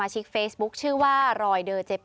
ไม่ขาวใช่มั้ยครับ